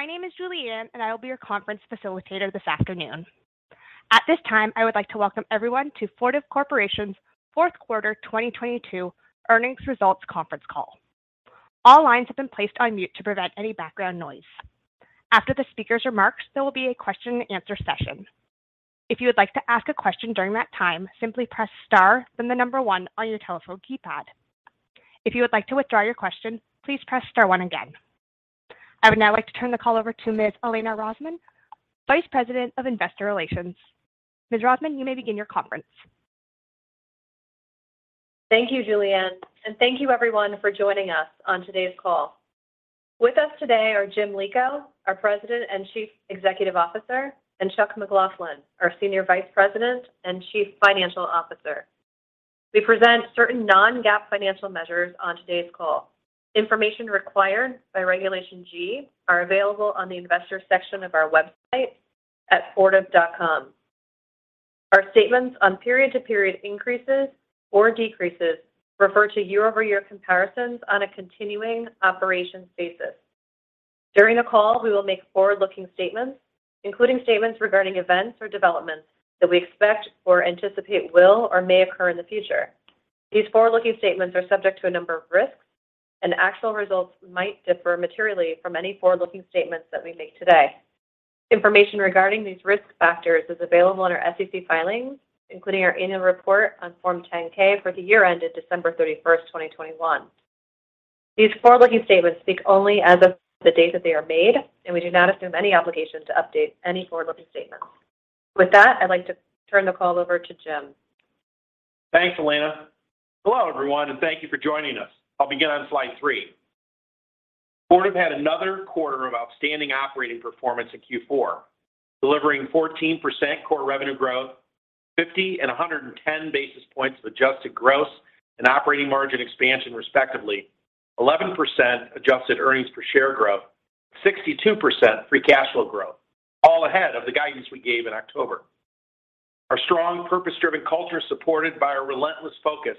My name is Julianne, and I will be your conference facilitator this afternoon. At this time, I would like to welcome everyone to Fortive Corporation's 4th quarter 2022 earnings results conference call. All lines have been placed on mute to prevent any background noise. After the speaker's remarks, there will be a question and answer session. If you would like to ask a question during that time, simply press star, then the number one on your telephone keypad. If you would like to withdraw your question, please press star one again. I would now like to turn the call over to Ms. Elena Rosman, Vice President of Investor Relations. Ms. Rosman, you may begin your conference. Thank you, Julianne, and thank you everyone for joining us on today's call. With us today are James Lico, our President and Chief Executive Officer, and Charles McLaughlin, our Senior Vice President and Chief Financial Officer. We present certain non-GAAP financial measures on today's call. Information required by Regulation G are available on the investor section of our website at fortive.com. Our statements on period-to-period increases or decreases refer to year-over-year comparisons on a continuing operations basis. During the call, we will make forward-looking statements, including statements regarding events or developments that we expect or anticipate will or may occur in the future. These forward-looking statements are subject to a number of risks, and actual results might differ materially from any forward-looking statements that we make today. Information regarding these risk factors is available in our SEC filings, including our annual report on Form 10-K for the year ended December 31st, 2021. These forward-looking statements speak only as of the date that they are made, and we do not assume any obligation to update any forward-looking statements. With that, I'd like to turn the call over to Jim. Thanks, Elena. Hello, everyone, thank you for joining us. I'll begin on slide 3. Fortive had another quarter of outstanding operating performance in Q4, delivering 14% core revenue growth, 50 and 110 basis points of adjusted gross and operating margin expansion, respectively, 11% adjusted earnings per share growth, 62% free cash flow growth, all ahead of the guidance we gave in October. Our strong purpose-driven culture is supported by our relentless focus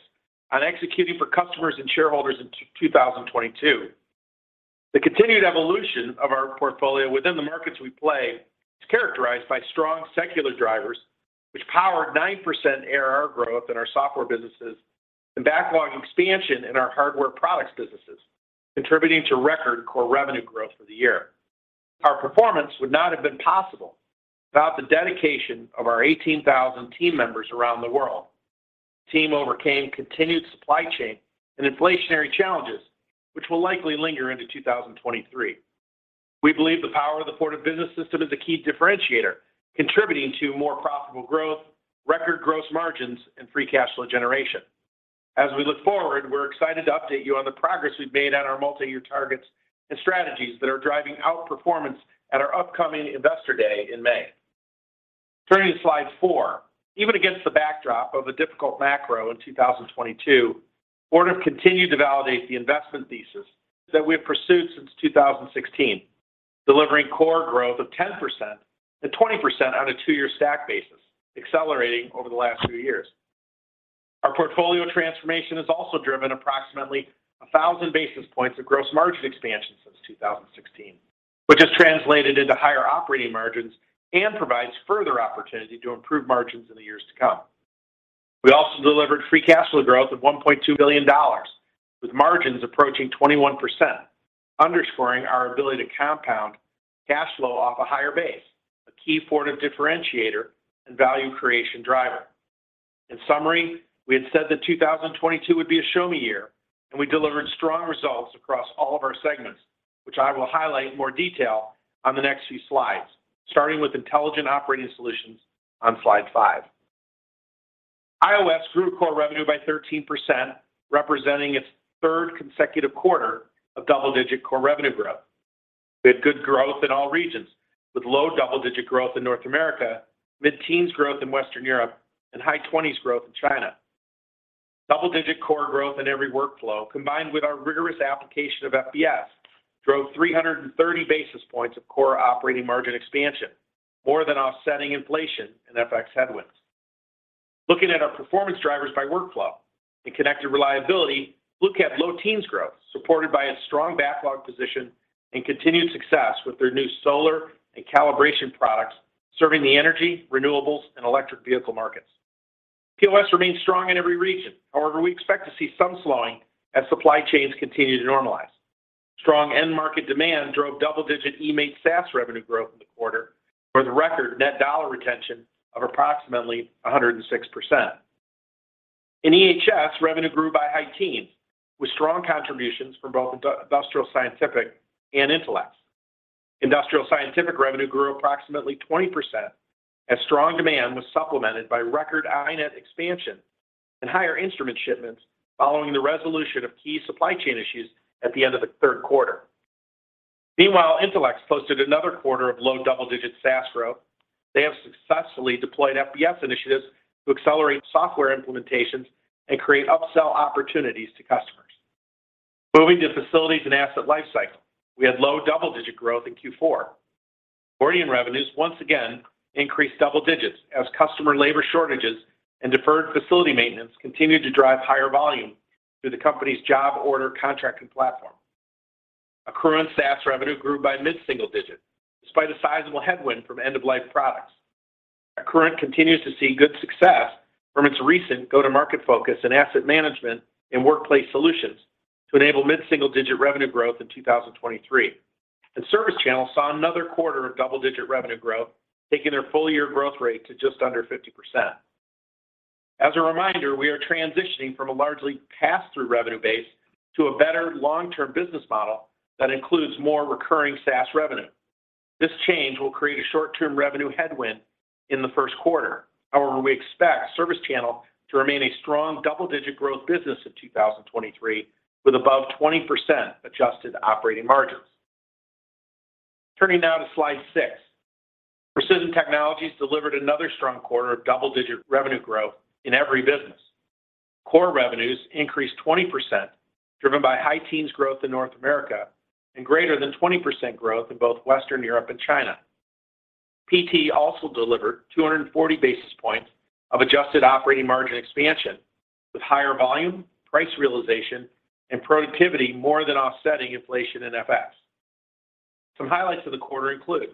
on executing for customers and shareholders in 2022. The continued evolution of our portfolio within the markets we play is characterized by strong secular drivers which powered 9% ARR growth in our software businesses and backlog expansion in our hardware products businesses, contributing to record core revenue growth for the year. Our performance would not have been possible without the dedication of our 18,000 team members around the world. Team overcame continued supply chain and inflationary challenges, which will likely linger into 2023. We believe the power of the Fortive Business System is a key differentiator, contributing to more profitable growth, record gross margins, and free cash flow generation. As we look forward, we're excited to update you on the progress we've made on our multi-year targets and strategies that are driving outperformance at our upcoming Investor Day in May. Turning to slide four. Even against the backdrop of a difficult macro in 2022, Fortive continued to validate the investment thesis that we have pursued since 2016, delivering core growth of 10% and 20% on a two-year stack basis, accelerating over the last few years. Our portfolio transformation has also driven approximately 1,000 basis points of gross margin expansion since 2016, which has translated into higher operating margins and provides further opportunity to improve margins in the years to come. We also delivered free cash flow growth of $1.2 billion, with margins approaching 21%, underscoring our ability to compound cash flow off a higher base, a key Fortive differentiator and value creation driver. In summary, we had said that 2022 would be a show me year, and we delivered strong results across all of our segments, which I will highlight in more detail on the next few slides, starting with Intelligent Operating Solutions on slide 5. IOS grew core revenue by 13%, representing its third consecutive quarter of double-digit core revenue growth. We had good growth in all regions, with low double-digit growth in North America, mid-teens growth in Western Europe, and high 20s growth in China. Double-digit core growth in every workflow, combined with our rigorous application of FBS, drove 330 basis points of core operating margin expansion, more than offsetting inflation and FX headwinds. Looking at our performance drivers by workflow. In Connected Reliability, Fluke kept low teens growth, supported by a strong backlog position and continued success with their new solar and calibration products serving the energy, renewables, and electric vehicle markets. POS remains strong in every region. However, we expect to see some slowing as supply chains continue to normalize. Strong end market demand drove double-digit eMaint SaaS revenue growth in the quarter for the record net dollar retention of approximately 106%. In EHS, revenue grew by high teens, with strong contributions from both Industrial Scientific and Intelex. Industrial Scientific revenue grew approximately 20% as strong demand was supplemented by record iNet expansion and higher instrument shipments following the resolution of key supply chain issues at the end of the third quarter. Meanwhile, Intelex posted another quarter of low double-digit SaaS growth. They have successfully deployed FBS initiatives to accelerate software implementations and create upsell opportunities to customers. Moving to Facilities and Asset Lifecycle, we had low double-digit growth in Q4. ORion revenues once again increased double digits as customer labor shortages and deferred facility maintenance continued to drive higher volume through the company's job order contracting platform. Accruent's SaaS revenue grew by mid-single digit despite a sizable headwind from end-of-life products. Accruent continues to see good success from its recent go-to-market focus in asset management and workplace solutions to enable mid-single-digit revenue growth in 2023. ServiceChannel saw another quarter of double-digit revenue growth, taking their full year growth rate to just under 50%. As a reminder, we are transitioning from a largely pass-through revenue base to a better long-term business model that includes more recurring SaaS revenue. This change will create a short-term revenue headwind in the first quarter. However, we expect ServiceChannel to remain a strong double-digit growth business in 2023, with above 20% adjusted operating margins. Turning now to slide 6. Precision Technologies delivered another strong quarter of double-digit revenue growth in every business. Core revenues increased 20%, driven by high teens growth in North America and greater than 20% growth in both Western Europe and China. PT also delivered 240 basis points of adjusted operating margin expansion, with higher volume, price realization, and productivity more than offsetting inflation in FX. Some highlights of the quarter include: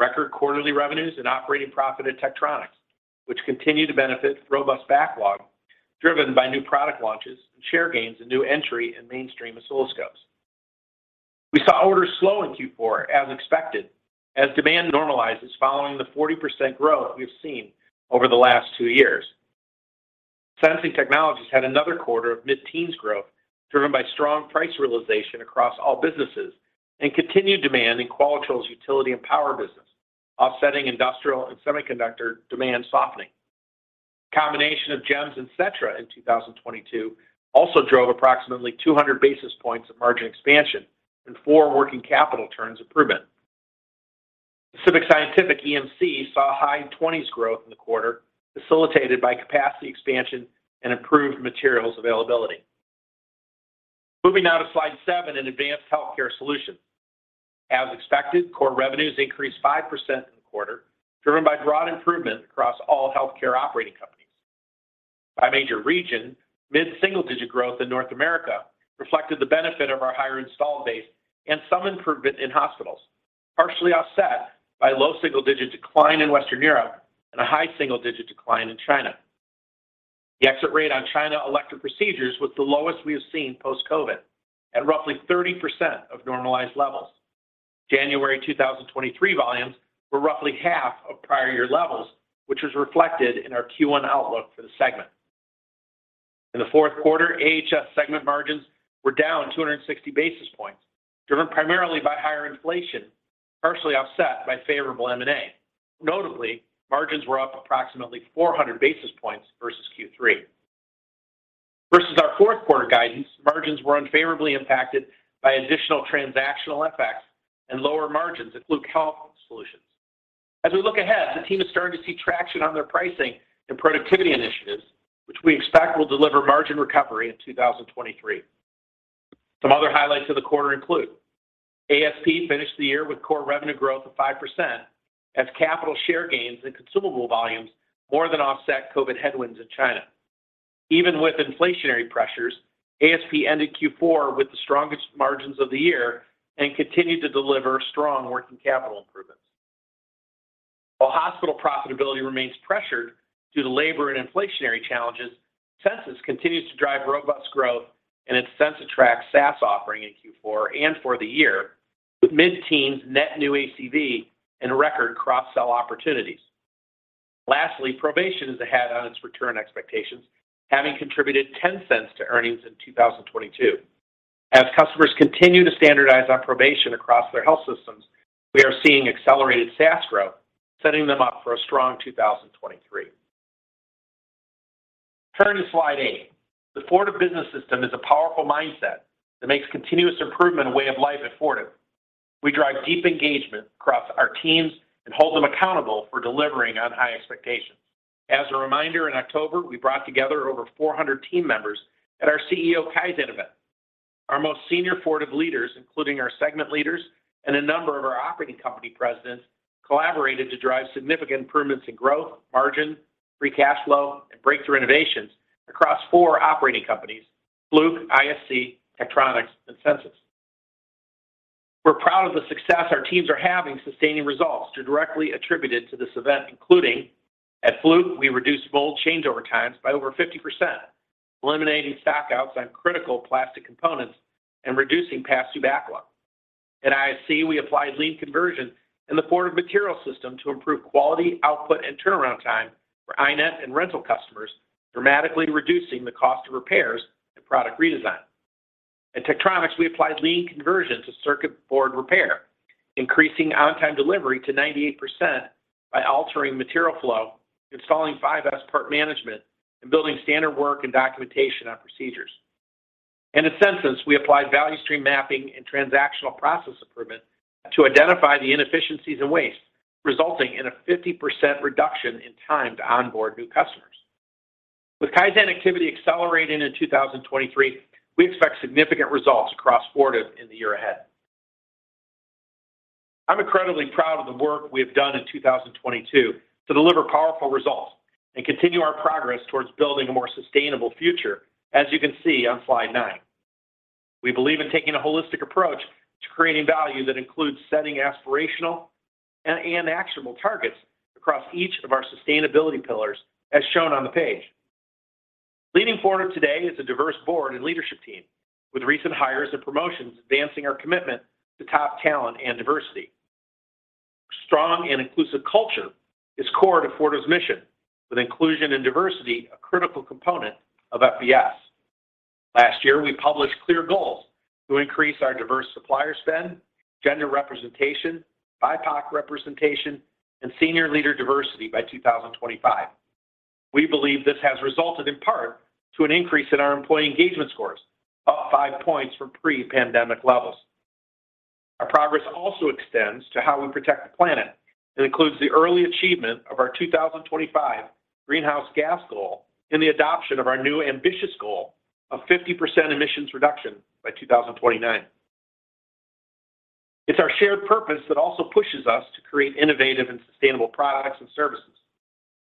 record quarterly revenues and operating profit at Tektronix, which continue to benefit robust backlog driven by new product launches and share gains and new entry in mainstream oscilloscopes. We saw orders slow in Q4 as expected as demand normalizes following the 40% growth we've seen over the last two years. Sensing Technologies had another quarter of mid-teens growth, driven by strong price realization across all businesses and continued demand in Qualitrol's utility and power business, offsetting industrial and semiconductor demand softening. A combination of Gems and Setra in 2022 also drove approximately 200 basis points of margin expansion and four working capital turns improvement. Pacific Scientific EMC saw high 20s growth in the quarter, facilitated by capacity expansion and improved materials availability. Moving now to slide 7 in Advanced Healthcare Solutions. As expected, core revenues increased 5% in the quarter, driven by broad improvement across all healthcare operating companies. By major region, mid-single-digit growth in North America reflected the benefit of our higher installed base and some improvement in hospitals, partially offset by low single-digit decline in Western Europe and a high single-digit decline in China. The exit rate on China elective procedures was the lowest we have seen post-COVID, at roughly 30% of normalized levels. January 2023 volumes were roughly half of prior year levels, which was reflected in our Q1 outlook for the segment. In the fourth quarter, AHS segment margins were down 260 basis points, driven primarily by higher inflation, partially offset by favorable M&A. Notably, margins were up approximately 400 basis points versus Q3. Versus our fourth quarter guidance, margins were unfavorably impacted by additional transactional effects and lower margins at Fluke Health Solutions. As we look ahead, the team is starting to see traction on their pricing and productivity initiatives, which we expect will deliver margin recovery in 2023. Some other highlights of the quarter include: ASP finished the year with core revenue growth of 5% as capital share gains and consumable volumes more than offset COVID headwinds in China. Even with inflationary pressures, ASP ended Q4 with the strongest margins of the year and continued to deliver strong working capital improvements. While hospital profitability remains pressured due to labor and inflationary challenges, Censis continues to drive robust growth in its CensiTrac SaaS offering in Q4 and for the year, with mid-teens net new ACV and record cross-sell opportunities. Provation is ahead on its return expectations, having contributed $0.10 to earnings in 2022. Customers continue to standardize on Provation across their health systems, we are seeing accelerated SaaS growth, setting them up for a strong 2023. Turning to slide 8. The Fortive Business System is a powerful mindset that makes continuous improvement a way of life at Fortive. We drive deep engagement across our teams and hold them accountable for delivering on high expectations. A reminder, in October, we brought together over 400 team members at our CEO Kaizen event. Our most senior Fortive leaders, including our segment leaders and a number of our operating company presidents, collaborated to drive significant improvements in growth, margin, free cash flow, and breakthrough innovations across four operating companies, Fluke, ISC, Tektronix, and Censis. We're proud of the success our teams are having sustaining results directly attributed to this event, including at Fluke, we reduced mold changeover times by over 50%, eliminating stock outs on critical plastic components and reducing pass-through backlog. At ISC, we applied lean conversion in the Fortive material system to improve quality, output, and turnaround time for iNet and rental customers, dramatically reducing the cost of repairs and product redesign. At Tektronix, we applied lean conversion to circuit board repair, increasing on-time delivery to 98% by altering material flow, installing 5S part management, and building standard work and documentation on procedures. At Censis, we applied value stream mapping and transactional process improvement to identify the inefficiencies and waste, resulting in a 50% reduction in time to onboard new customers. Kaizen activity accelerated in 2023. We expect significant results across Fortive in the year ahead. I'm incredibly proud of the work we have done in 2022 to deliver powerful results and continue our progress towards building a more sustainable future, as you can see on slide 9. We believe in taking a holistic approach to creating value that includes setting aspirational and actionable targets across each of our sustainability pillars, as shown on the page. Leading Fortive today is a diverse board and leadership team with recent hires and promotions advancing our commitment to top talent and diversity. Strong and inclusive culture is core to Fortive's mission with inclusion and diversity a critical component of FBS. Last year, we published clear goals to increase our diverse supplier spend, gender representation, BIPOC representation, and senior leader diversity by 2025. We believe this has resulted in part to an increase in our employee engagement scores, up 5 points from pre-pandemic levels. Our progress also extends to how we protect the planet. It includes the early achievement of our 2025 greenhouse gas goal and the adoption of our new ambitious goal of 50% emissions reduction by 2029. It's our shared purpose that also pushes us to create innovative and sustainable products and services.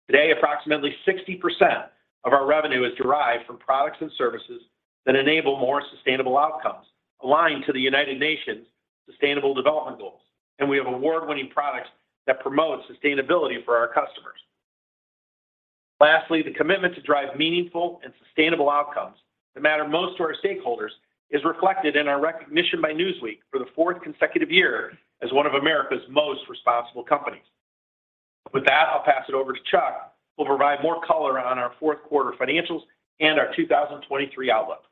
Today, approximately 60% of our revenue is derived from products and services that enable more sustainable outcomes aligned to the United Nations Sustainable Development Goals, and we have award-winning products that promote sustainability for our customers. Lastly, the commitment to drive meaningful and sustainable outcomes that matter most to our stakeholders is reflected in our recognition by Newsweek for the fourth consecutive year as one of America's most responsible companies. With that, I'll pass it over to Chuck who will provide more color on our fourth quarter financials and our 2023 outlook.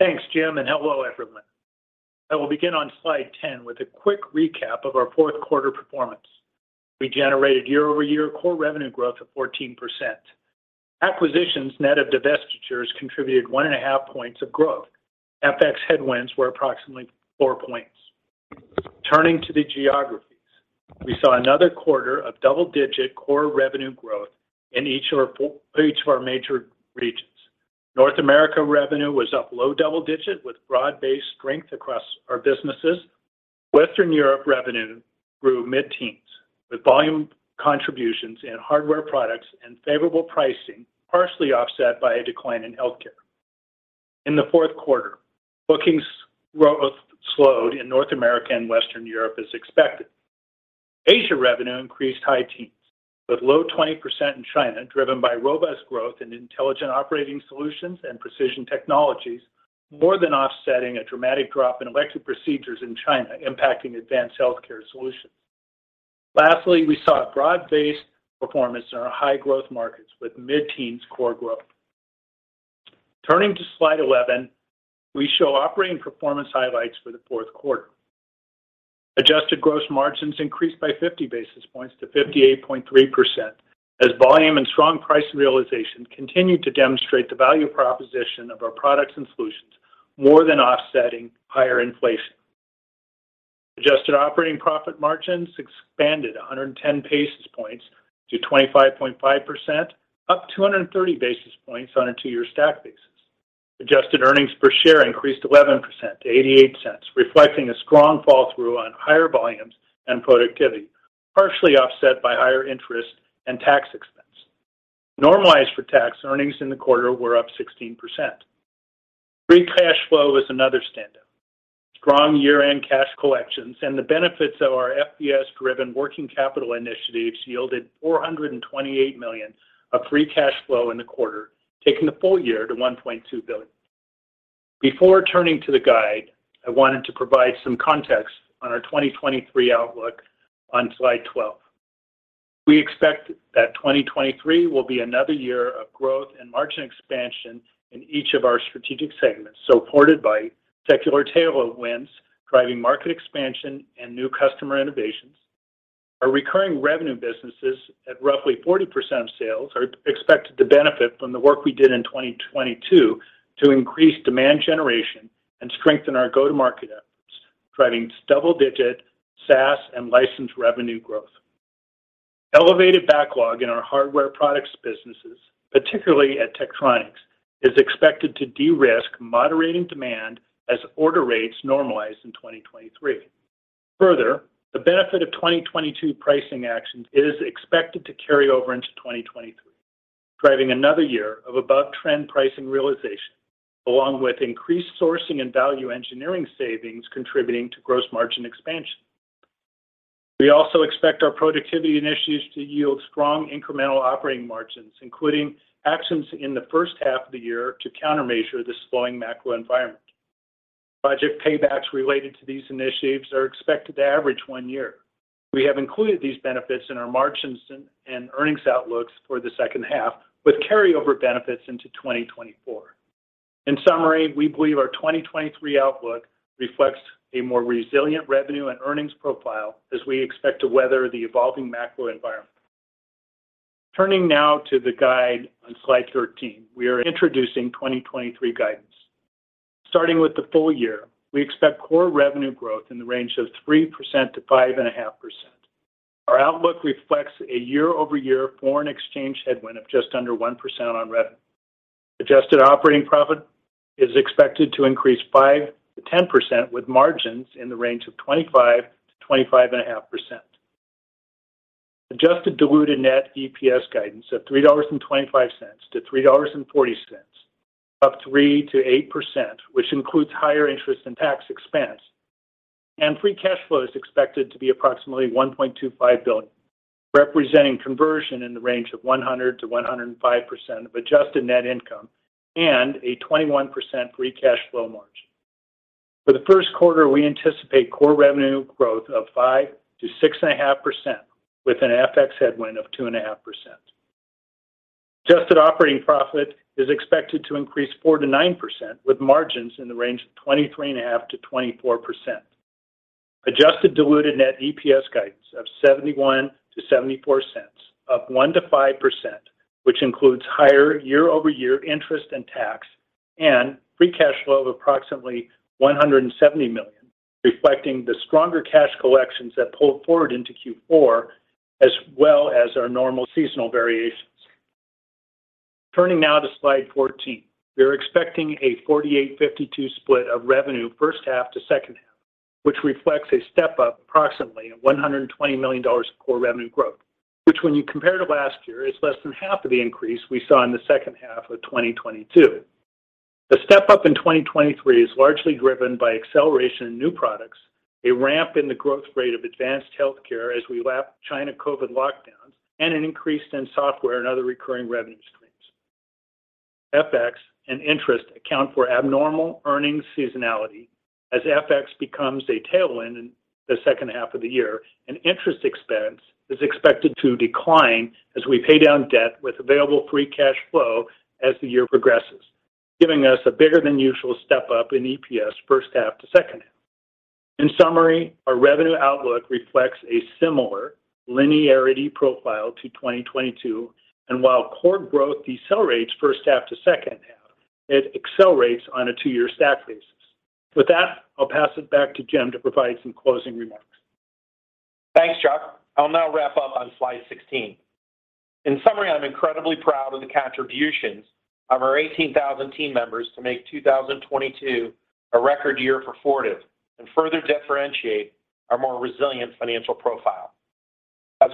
Thanks, Jim. Hello, everyone. I will begin on slide 10 with a quick recap of our fourth quarter performance. We generated year-over-year core revenue growth of 14%. Acquisitions net of divestitures contributed one and a half points of growth. FX headwinds were approximately 4 points. Turning to the geographies, we saw another quarter of double-digit core revenue growth in each of our major regions. North America revenue was up low double digit with broad-based strength across our businesses. Western Europe revenue grew mid-teens with volume contributions in hardware products and favorable pricing, partially offset by a decline in healthcare. In the fourth quarter, bookings growth slowed in North America and Western Europe as expected. Asia revenue increased high teens with low 20% in China, driven by robust growth in Intelligent Operating Solutions and Precision Technologies, more than offsetting a dramatic drop in elective procedures in China impacting Advanced Healthcare Solutions. Lastly, we saw a broad-based performance in our high-growth markets with mid-teens core growth. Turning to slide 11, we show operating performance highlights for the fourth quarter. Adjusted gross margins increased by 50 basis points to 58.3% as volume and strong price realization continued to demonstrate the value proposition of our products and solutions more than offsetting higher inflation. Adjusted operating profit margins expanded 110 basis points to 25.5%, up 230 basis points on a two-year stack basis. Adjusted earnings per share increased 11% to $0.88, reflecting a strong fall through on higher volumes and productivity, partially offset by higher interest and tax expense. Normalized for tax, earnings in the quarter were up 16%. Free cash flow was another standout. Strong year-end cash collections and the benefits of our FBS-driven working capital initiatives yielded $428 million of free cash flow in the quarter, taking the full year to $1.2 billion. Before turning to the guide, I wanted to provide some context on our 2023 outlook on slide 12. We expect that 2023 will be another year of growth and margin expansion in each of our strategic segments, supported by secular tailwinds, driving market expansion and new customer innovations. Our recurring revenue businesses at roughly 40% of sales are expected to benefit from the work we did in 2022 to increase demand generation and strengthen our go-to-market efforts, driving double-digit SaaS and license revenue growth. Elevated backlog in our hardware products businesses, particularly at Tektronix, is expected to de-risk moderating demand as order rates normalize in 2023. Further, the benefit of 2022 pricing actions is expected to carry over into 2023, driving another year of above-trend pricing realization, along with increased sourcing and value engineering savings contributing to gross margin expansion. We also expect our productivity initiatives to yield strong incremental operating margins, including actions in the first half of the year to countermeasure the slowing macro environment. Budget paybacks related to these initiatives are expected to average 1 year. We have included these benefits in our margins and earnings outlooks for the second half, with carryover benefits into 2024. In summary, we believe our 2023 outlook reflects a more resilient revenue and earnings profile as we expect to weather the evolving macro environment. Turning now to the guide on slide 13, we are introducing 2023 guidance. Starting with the full year, we expect core revenue growth in the range of 3%-5.5%. Our outlook reflects a year-over-year foreign exchange headwind of just under 1% on revenue. Adjusted operating profit is expected to increase 5%-10% with margins in the range of 25%-25.5%. Adjusted diluted net EPS guidance of $3.25-$3.40, up 3%-8%, which includes higher interest and tax expense. Free cash flow is expected to be approximately $1.25 billion, representing conversion in the range of 100%-100% of adjusted net income and a 21% free cash flow margin. For the first quarter, we anticipate core revenue growth of 5%-6.5% with an FX headwind of 2.5%. Adjusted operating profit is expected to increase 4%-9% with margins in the range of 23.5%-24%. Adjusted diluted net EPS guidance of $0.71-$0.74, up 1%-5%, which includes higher year-over-year interest and tax. Free cash flow of approximately $170 million, reflecting the stronger cash collections that pulled forward into Q4, as well as our normal seasonal variations. Turning now to slide 14. We are expecting a 48/52 split of revenue first half to second half, which reflects a step-up approximately of $120 million of core revenue growth, which when you compare to last year, is less than half of the increase we saw in the second half of 2022. The step-up in 2023 is largely driven by acceleration in new products, a ramp in the growth rate of Advanced Healthcare as we lap China COVID lockdowns, and an increase in software and other recurring revenue streams. FX and interest account for abnormal earnings seasonality as FX becomes a tailwind in the second half of the year, and interest expense is expected to decline as we pay down debt with available free cash flow as the year progresses, giving us a bigger than usual step-up in EPS first half to second half. In summary, our revenue outlook reflects a similar linearity profile to 2022. While core growth decelerates first half to second half, it accelerates on a two-year stack basis. With that, I'll pass it back to Jim to provide some closing remarks. Thanks, Chuck. I'll now wrap up on slide 16. In summary, I'm incredibly proud of the contributions of our 18,000 team members to make 2022 a record year for Fortive and further differentiate our more resilient financial profile.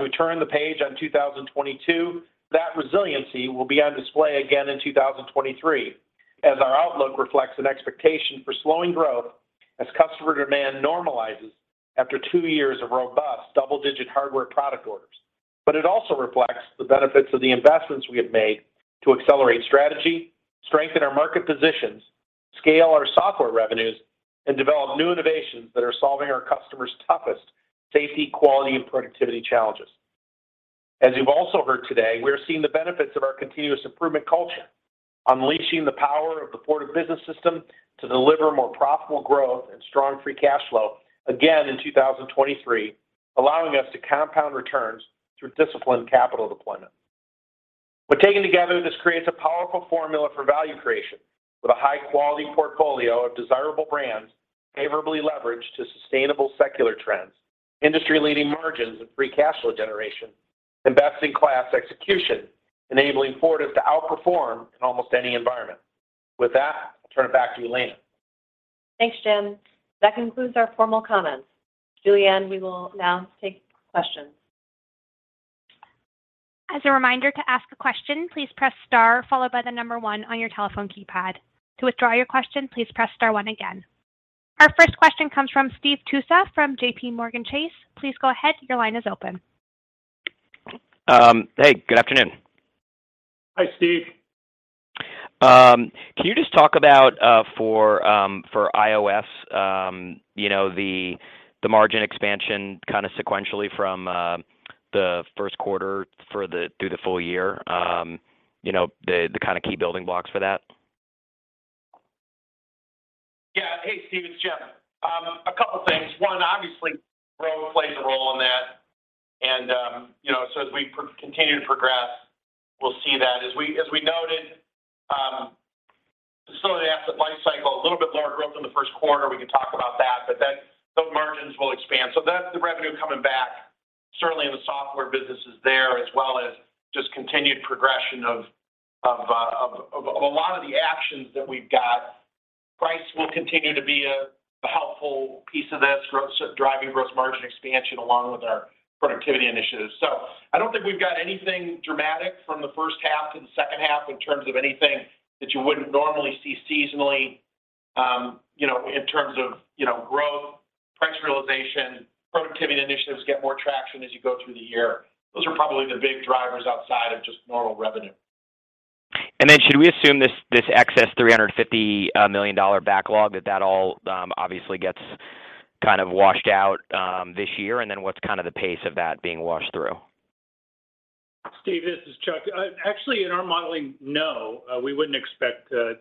We turn the page on 2022, that resiliency will be on display again in 2023, as our outlook reflects an expectation for slowing growth as customer demand normalizes after two years of robust double-digit hardware product orders. It also reflects the benefits of the investments we have made to accelerate strategy, strengthen our market positions, scale our software revenues, and develop new innovations that are solving our customers' toughest safety, quality, and productivity challenges. As you've also heard today, we are seeing the benefits of our continuous improvement culture, unleashing the power of the Fortive Business System to deliver more profitable growth and strong free cash flow again in 2023, allowing us to compound returns through disciplined capital deployment. Taken together, this creates a powerful formula for value creation with a high-quality portfolio of desirable brands favorably leveraged to sustainable secular trends, industry-leading margins and free cash flow generation, and best-in-class execution, enabling Fortive to outperform in almost any environment. With that, I'll turn it back to Elena. Thanks, Jim. That concludes our formal comments. Julianne, we will now take questions. As a reminder to ask a question, please press star followed by one on your telephone keypad. To withdraw your question, please press star one again. Our first question comes from Steve Tusa from JPMorgan Chase. Please go ahead. Your line is open. Hey, good afternoon. Hi, Steve. Can you just talk about for IOS, you know, the margin expansion kinda sequentially from the first quarter through the full year, you know, the kind of key building blocks for that? Yeah. Hey, Steve, it's Jim. A couple things. One, obviously, growth plays a role in that. As we continue to progress, we'll see that. As we, as we noted, Facilities and Asset Lifecycle, a little bit lower growth in the first quarter, we can talk about that, but then those margins will expand. That's the revenue coming back, certainly in the software businesses there, as well as just continued progression of a lot of the actions that we've got. Price will continue to be a helpful piece of this driving gross margin expansion along with our productivity initiatives. I don't think we've got anything dramatic from the first half to the second half in terms of anything that you wouldn't normally see seasonally, you know, in terms of, you know, growth, price realization. Productivity initiatives get more traction as you go through the year. Those are probably the big drivers outside of just normal revenue. Should we assume this excess $350 million backlog, that all obviously gets kind of washed out this year? What's kind of the pace of that being washed through? Steve, this is Chuck. actually in our modeling, no. we wouldn't expect that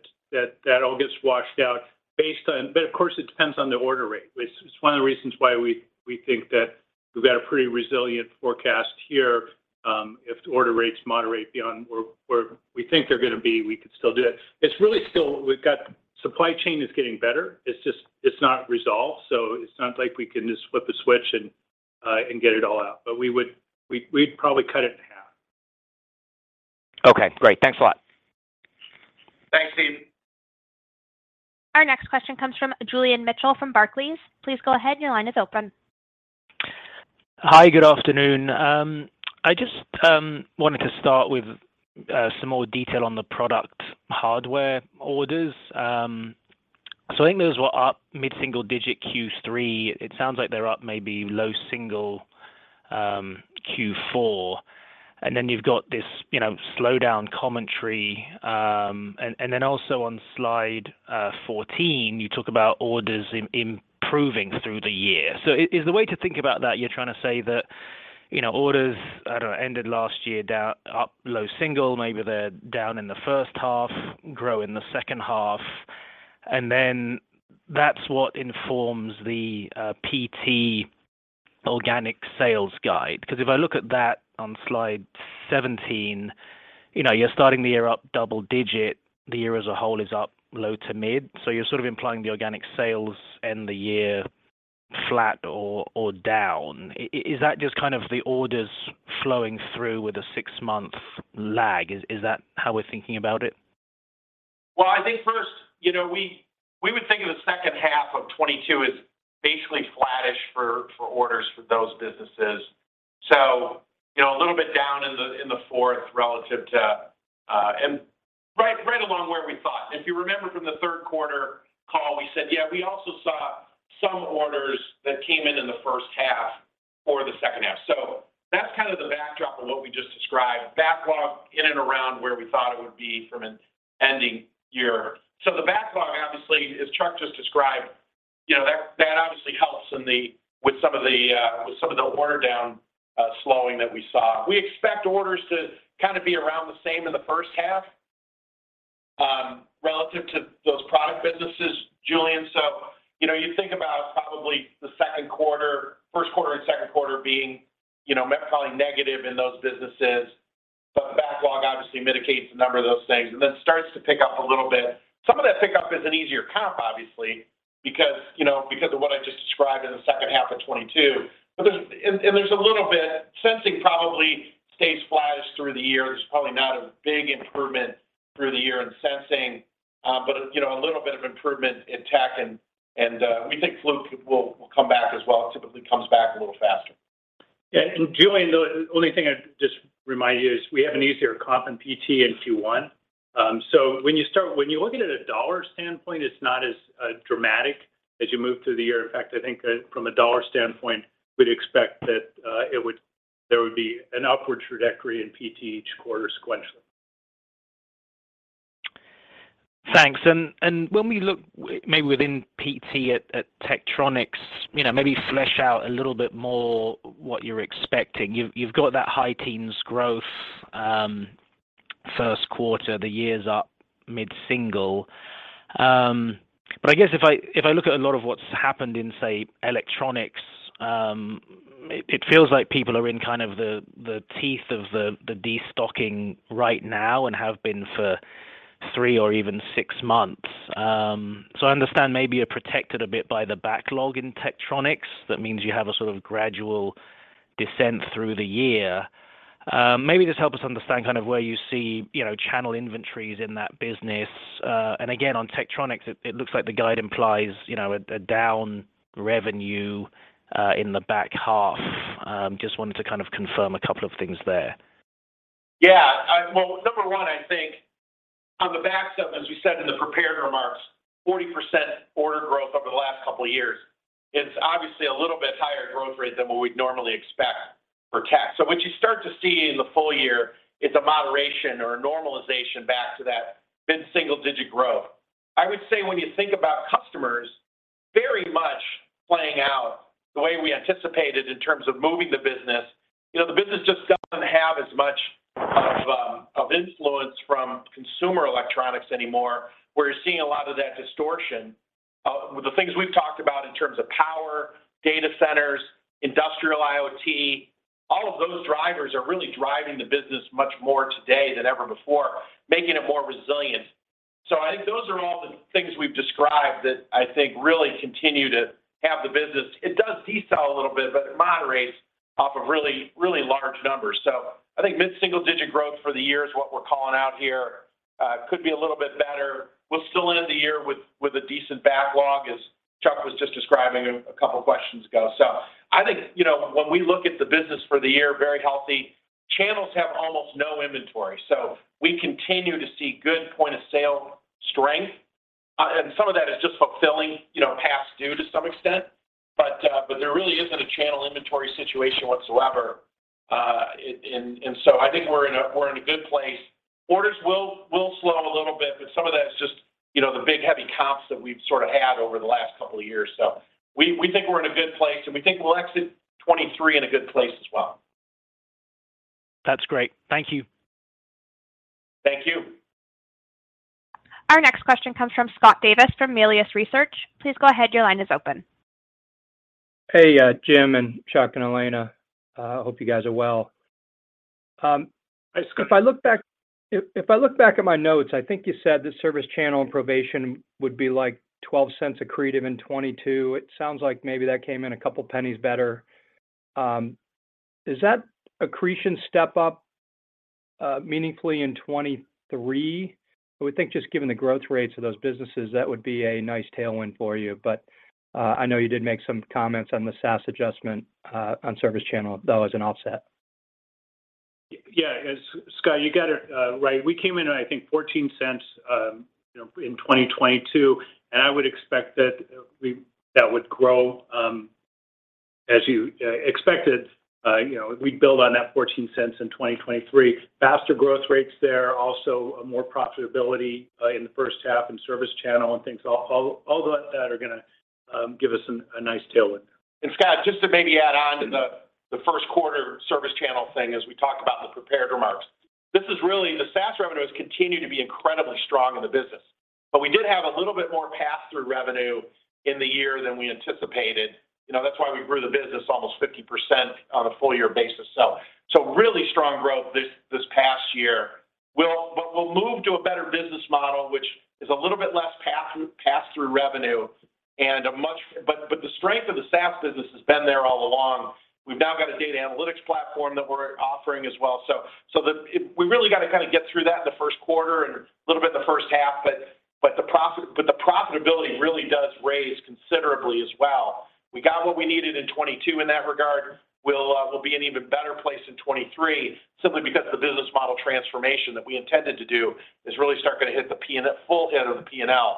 all gets washed out based on... of course, it depends on the order rate, which is one of the reasons why we think that we've got a pretty resilient forecast here. if the order rates moderate beyond where we think they're gonna be, we could still do that. It's really still we've got Supply chain is getting better. It's just, it's not resolved, so it's not like we can just flip a switch and get it all out. We'd probably cut it in half. Okay, great. Thanks a lot. Thanks, Steve Tusa. Our next question comes from Julian Mitchell from Barclays. Please go ahead, your line is open. Hi, good afternoon. I just wanted to start with some more detail on the product hardware orders. I think those were up mid-single digit Q3. It sounds like they're up maybe low single Q4. You've got this, you know, slowdown commentary. Also on slide 14, you talk about orders improving through the year. Is the way to think about that you're trying to say that, you know, orders, I don't know, ended last year down up low single, maybe they're down in the first half, grow in the second half, and then that's what informs the PT organic sales guide? 'Cause if I look at that on slide 17, you know, you're starting the year up double digit, the year as a whole is up low to mid. You're sort of implying the organic sales end the year flat or down. Is that just kind of the orders flowing through with a six-month lag? Is that how we're thinking about it? I think first, you know, we would think of the second half of 2022 as basically flattish for orders for those businesses. You know, a little bit down in the fourth relative to. Right along where we thought. If you remember from the third quarter call, we said, yeah, we also saw some orders that came in in the first half for the second half. That's kind of the backdrop of what we just described. Backlog in and around where we thought it would be from an ending year. The backlog obviously, as Chuck just described, you know, that obviously helps with some of the order down slowing that we saw. We expect orders to kind of be around the same in the first half, relative to those product businesses, Julian. You know, you think about probably the second quarter, first quarter and second quarter being, you know, probably negative in those businesses. The backlog obviously mitigates a number of those things, and then starts to pick up a little bit. Some of that pickup is an easier comp obviously because, you know, because of what I just described in the second half of 2022. There's a little bit. Sensing probably stays flattish through the year. There's probably not a big improvement through the year in Sensing, but, you know, a little bit of improvement in Tech and, we think Fluke will come back as well. It typically comes back a little faster. Yeah. Julian, the only thing I'd just remind you is we have an easier comp in PT in Q1. When you look at it at a dollar standpoint, it's not as dramatic as you move through the year. In fact, I think, from a dollar standpoint, we'd expect that there would be an upward trajectory in PT each quarter sequentially. Thanks. When we look maybe within PT at Tektronix, you know, maybe flesh out a little bit more what you're expecting. You've got that high teens growth, first quarter. The year's up mid-single. I guess if I look at a lot of what's happened in, say, electronics, it feels like people are in kind of the teeth of the destocking right now and have been for three or even six months. I understand maybe you're protected a bit by the backlog in Tektronix. That means you have a sort of gradual descent through the year. Maybe just help us understand kind of where you see, you know, channel inventories in that business. Again, on Tektronix it looks like the guide implies, you know, down revenue in the back half. Just wanted to kind of confirm a couple of things there. Well, number one, I think on the back of, as we said in the prepared remarks, 40% order growth over the last couple of years is obviously a little bit higher growth rate than what we'd normally expect for tech. What you start to see in the full year is a moderation or a normalization back to that mid-single digit growth. I would say when you think about customers very much playing out the way we anticipated in terms of moving the business, you know, the business just doesn't have as much of influence from consumer electronics anymore, where you're seeing a lot of that distortion. The things we've talked about in terms of power, data centers, industrial IoT, all of those drivers are really driving the business much more today than ever before, making it more resilient. I think those are all the things we've described that I think really continue to have the business. It does detail a little bit, but it moderates off of really, really large numbers. I think mid-single digit growth for the year is what we're calling out here. Could be a little bit better. We'll still end the year with a decent backlog, as Chuck was just describing a couple of questions ago. I think, you know, when we look at the business for the year, very healthy. Channels have almost no inventory. We continue to see good point of sale strength. And some of that is just fulfilling, you know, past due to some extent. There really isn't a channel inventory situation whatsoever. And so I think we're in a good place. Orders will slow a little bit, but some of that's just, you know, the big heavy comps that we've sort of had over the last couple of years. We think we're in a good place, and we think we'll exit 2023 in a good place as well. That's great. Thank you. Thank you. Our next question comes from Scott Davis from Melius Research. Please go ahead, your line is open. Hey, Jim and Chuck and Elena. I hope you guys are well. If I look back at my notes, I think you said the ServiceChannel and Provation would be like $0.12 accretive in 2022. It sounds like maybe that came in a couple pennies better. Does that accretion step up meaningfully in 2023? I would think just given the growth rates of those businesses, that would be a nice tailwind for you. I know you did make some comments on the SaaS adjustment on ServiceChannel, though, as an offset. Yeah. Scott, you got it right. We came in at, I think, $0.14, you know, in 2022, I would expect that would grow as you expected. You know, we'd build on that $0.14 in 2023. Faster growth rates there, also more profitability in the first half in ServiceChannel and things. All that are going to give us a nice tailwind. Scott, just to maybe add on to the first quarter ServiceChannel thing as we talked about in the prepared remarks. This is really the SaaS revenue has continued to be incredibly strong in the business. We did have a little bit more passthrough revenue in the year than we anticipated. You know, that's why we grew the business almost 50% on a full year basis. Really strong growth this past year. We'll move to a better business model, which is a little bit less pass-through revenue and the strength of the SaaS business has been there all along. We've now got a data analytics platform that we're offering as well. We really got to kind of get through that in the first quarter and a little bit in the first half. The profitability really does raise considerably as well. We got what we needed in 2022 in that regard. We'll be in an even better place in 2023 simply because the business model transformation that we intended to do is really starting to hit the full head of the P&L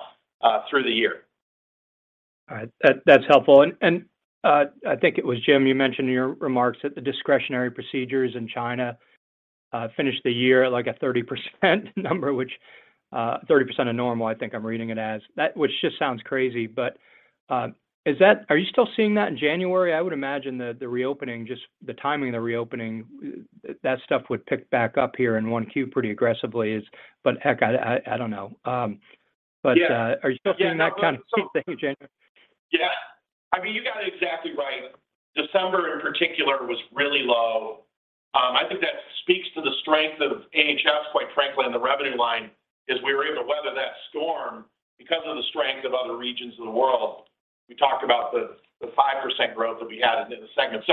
through the year. All right. That's helpful. I think it was Jim, you mentioned in your remarks that the discretionary procedures in China, finished the year at like a 30% number, which, 30% of normal, I think I'm reading it as. Which just sounds crazy. Is that? Are you still seeing that in January? I would imagine that the reopening, just the timing of the reopening, that stuff would pick back up here in 1Q pretty aggressively. Heck, I don't know. Yeah Are you still seeing that kind of steep thing in January? Yeah. I mean, you got it exactly right. December, in particular, was really low. I think that speaks to the strength of AHS, quite frankly, and the revenue line is we were able to weather that storm because of the strength of other regions of the world. We talked about the 5% growth that we had in the second.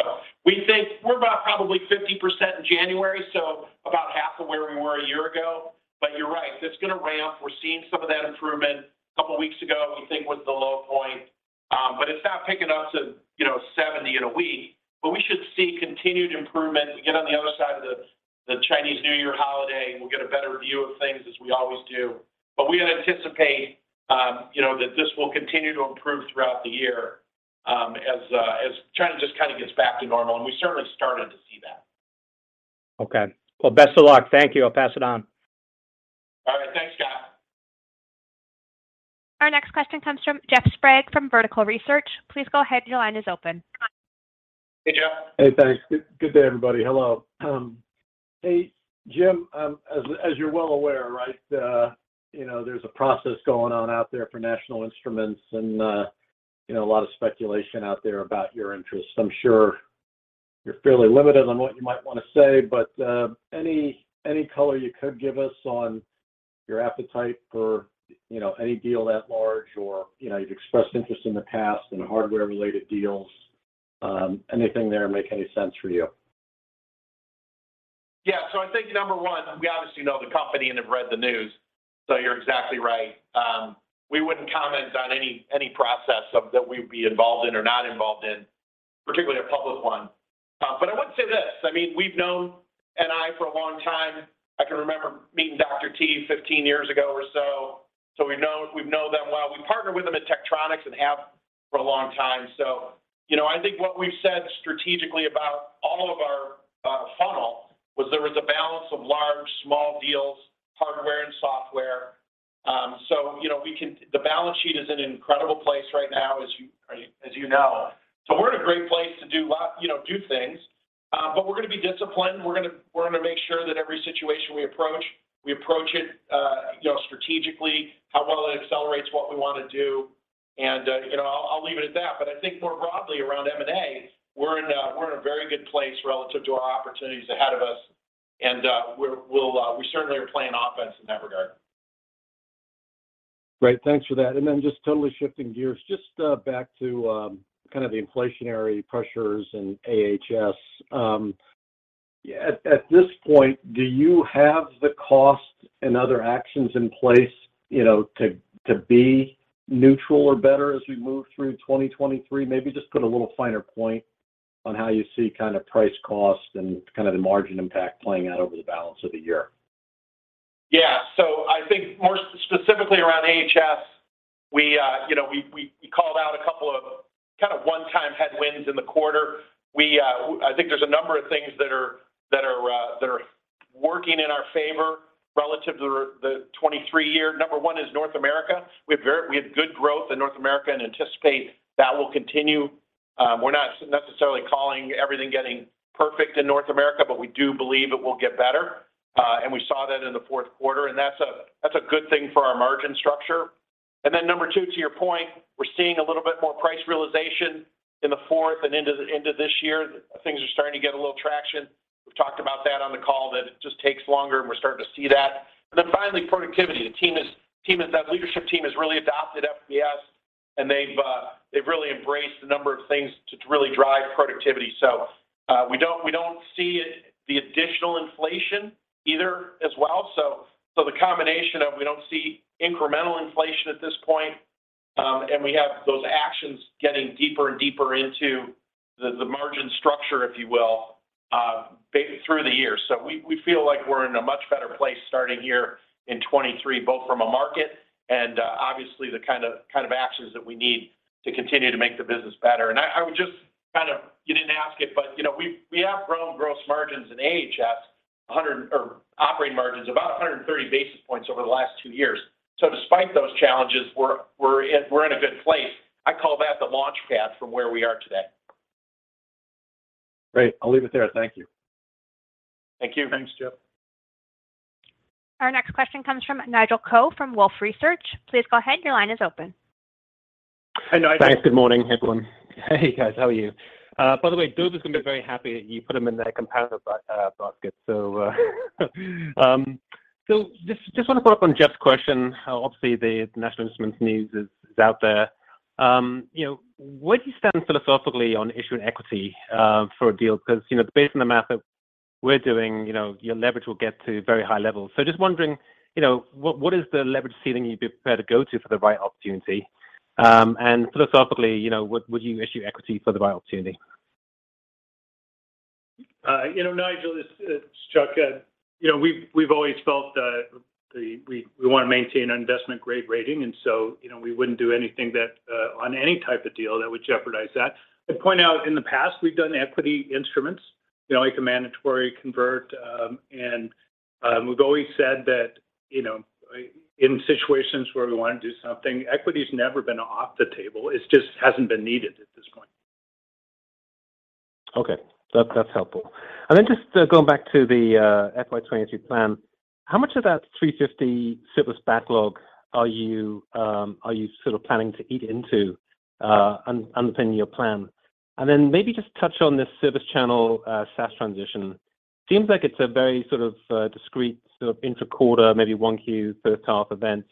We think we're about probably 50% in January, so about half of where we were a year ago. You're right, it's going to ramp. We're seeing some of that improvement a couple of weeks ago, we think was the low point. It's not picking up to, you know, 70 in a week. We should see continued improvement. We get on the other side of the Chinese New Year holiday, and we'll get a better view of things as we always do. We anticipate, you know, that this will continue to improve throughout the year, as China just kind of gets back to normal. We certainly started to see that. Okay. Well, best of luck. Thank you. I'll pass it on. All right. Thanks, Scott. Our next question comes from Jeff Sprague from Vertical Research. Please go ahead. Your line is open. Hey, Jeff. Hey, thanks. Good, good day, everybody. Hello. Hey, Jim, as you're well aware, right, you know, there's a process going on out there for National Instruments and, you know, a lot of speculation out there about your interest. I'm sure you're fairly limited on what you might want to say, but any color you could give us on your appetite for, you know, any deal at large or, you know, you've expressed interest in the past in hardware related deals. Anything there make any sense for you? Yeah. I think number one, we obviously know the company and have read the news. You're exactly right. We wouldn't comment on any process of that we'd be involved in or not involved in, particularly a public one. I would say this, I mean, we've known NI for a long time. I can remember meeting Dr. T 15 years ago or so. We know, we know them well. We partner with them at Tektronix and have for a long time. You know, I think what we've said strategically about all of our funnel was there was a balance of large, small deals, hardware and software. You know, the balance sheet is in an incredible place right now, as you, as you know. We're in a great place to do lot, you know, do things. We're going to be disciplined. We're gonna make sure that every situation we approach, we approach it, you know, strategically, how well it accelerates what we want to do. You know, I'll leave it at that. I think more broadly around M&A, we're in a very good place relative to our opportunities ahead of us. We'll, we certainly are playing offense in that regard. Great. Thanks for that. Just totally shifting gears, just back to kind of the inflationary pressures in AHS. At this point, do you have the cost and other actions in place, you know, to be neutral or better as we move through 2023? Maybe just put a little finer point on how you see kind of price cost and kind of the margin impact playing out over the balance of the year. Yeah. I think more specifically around AHS, we, you know, we called out a couple of kind of one-time headwinds in the quarter. We, I think there's a number of things that are working in our favor relative to the 23 year. Number 1 is North America. We have good growth in North America and anticipate that will continue. We're not necessarily calling everything getting perfect in North America, but we do believe it will get better. We saw that in the fourth quarter, that's a good thing for our margin structure. Number 2, to your point, we're seeing a little bit more price realization in the fourth and into this year. Things are starting to get a little traction. We've talked about that on the call, that it just takes longer, and we're starting to see that. Finally, productivity. The team is that leadership team has really adopted FBS, and they've really embraced a number of things to really drive productivity. We don't, we don't see it the additional inflation either as well. The combination of we don't see incremental inflation at this point, and we have those actions getting deeper and deeper into the margin structure, if you will, through the year. We, we feel like we're in a much better place starting here in 2023, both from a market and, obviously the kind of actions that we need to continue to make the business better. I would just kind of... You didn't ask it, you know, we have grown gross margins in AHS, or operating margins about 130 basis points over the last two years. Despite those challenges, we're in a good place. I call that the launchpad from where we are today. Great. I'll leave it there. Thank you. Thank you. Thanks, Jeff. Our next question comes from Nigel Coe from Wolfe Research. Please go ahead. Your line is open. Hi, Nigel. Thanks. Good morning, everyone. Hey, guys. How are you? By the way, Dobes is gonna be very happy that you put him in the comparative basket. Just wanna follow up on Jeff's question. How obviously the National Instruments news is out there. You know, where do you stand philosophically on issuing equity for a deal? Because, you know, based on the math that we're doing, you know, your leverage will get to very high levels. Just wondering, you know, what is the leverage ceiling you'd be prepared to go to for the right opportunity? Philosophically, you know, would you issue equity for the right opportunity? You know, Nigel, it's Chuck. You know, we've always felt that we wanna maintain an investment-grade rating. You know, we wouldn't do anything that on any type of deal that would jeopardize that. I'd point out in the past, we've done equity instruments, you know, like a mandatory convert. We've always said that, you know, in situations where we wanna do something, equity's never been off the table. It's just hasn't been needed at this point. Okay. That's helpful. Just going back to the FY 2022 plan, how much of that $350 service backlog are you sort of planning to eat into, unpin your plan? Maybe just touch on this ServiceChannel SaaS transition. Seems like it's a very sort of discreet sort of inter-quarter, maybe 1Q first half event.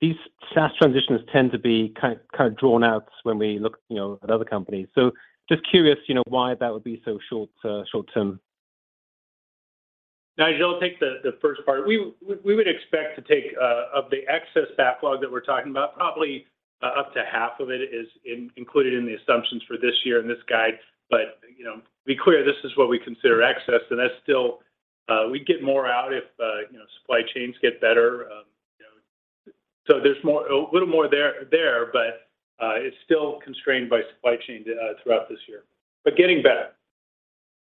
These SaaS transitions tend to be kind of drawn out when we look, you know, at other companies. Just curious, you know, why that would be so short term. Nigel, I'll take the first part. We would expect to take of the excess backlog that we're talking about, probably up to half of it is included in the assumptions for this year and this guide. You know, to be clear, this is what we consider excess, and that's still. We'd get more out if, you know, supply chains get better. You know, there's a little more there, but it's still constrained by supply chain throughout this year. Getting better.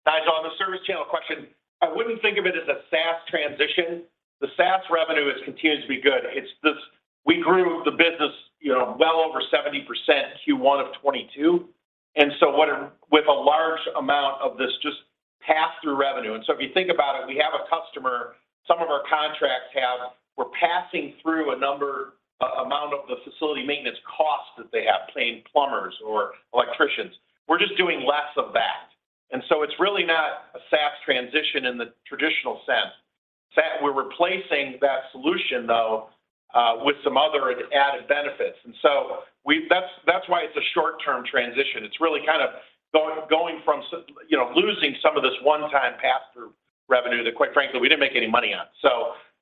Nigel, on the ServiceChannel question, I wouldn't think of it as a SaaS transition. The SaaS revenue has continued to be good. We grew the business, you know, well over 70% Q1 of 2022, with a large amount of this just pass-through revenue. If you think about it, we have a customer, some of our contracts have, we're passing through a number amount of the facility maintenance costs that they have, paying plumbers or electricians. We're just doing less of that. It's really not a SaaS transition in the traditional sense. In fact, we're replacing that solution though, with some other added benefits. That's, that's why it's a short-term transition. It's really kind of going from you know, losing some of this one-time pass-through revenue that quite frankly, we didn't make any money on.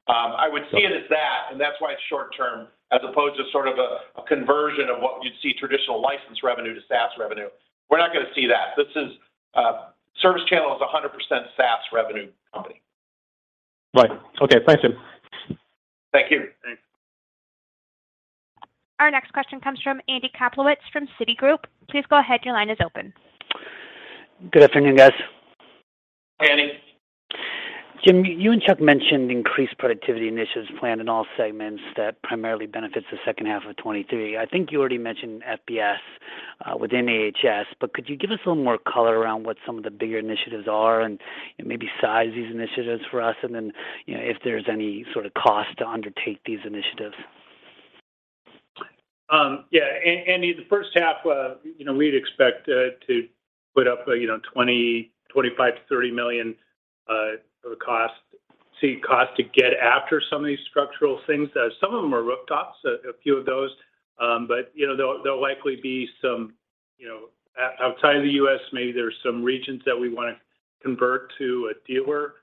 I would see it as that, and that's why it's short term as opposed to sort of a conversion of what you'd see traditional license revenue to SaaS revenue. We're not gonna see that. This is ServiceChannel is a 100% SaaS revenue company. Right. Okay. Thanks, Jim. Thank you. Thanks. Our next question comes from Andy Kaplowitz from Citigroup. Please go ahead. Your line is open. Good afternoon, guys. Hi, Andy. Jim, you and Chuck mentioned increased productivity initiatives planned in all segments that primarily benefits the second half of 2023. I think you already mentioned FBS within AHS, could you give us a little more color around what some of the bigger initiatives are and maybe size these initiatives for us? You know, if there's any sort of cost to undertake these initiatives. Andy Kaplowitz, the first half, you know, we'd expect, you know, to put up $20 million, $25 million to $30 million of cost to get after some of these structural things. Some of them are rooftops, a few of those. But you know, there'll likely be some, you know, outside of the U.S., maybe there's some regions that we want to convert to a dealer,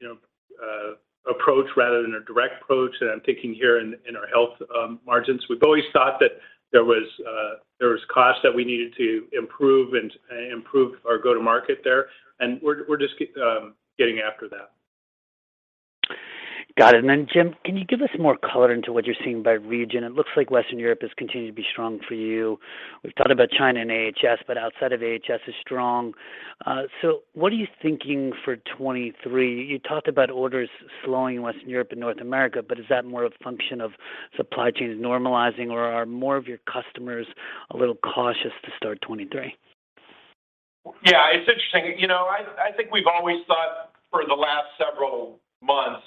you know, approach rather than a direct approach. I'm thinking here in our Advanced Healthcare Solutions margins. We've always thought that there was costs that we needed to improve and improve our go-to-market there, and we're just getting after that. Got it. Then Jim, can you give us more color into what you're seeing by region? It looks like Western Europe has continued to be strong for you. We've talked about China and AHS, but outside of AHS is strong. What are you thinking for 2023? You talked about orders slowing in Western Europe and North America, but is that more a function of supply chains normalizing, or are more of your customers a little cautious to sart 2023? Yeah, it's interesting. You know, I think we've always thought for the last several months.